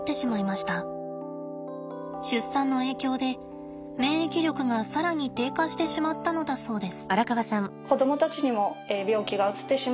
出産の影響で免疫力がさらに低下してしまったのだそうです。